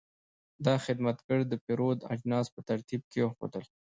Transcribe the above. دا خدمتګر د پیرود اجناس په ترتیب کېښودل.